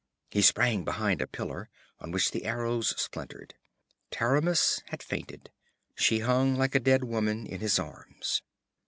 He sprang behind a pillar, on which the arrows splintered. Taramis had fainted. She hung like a dead woman in his arms.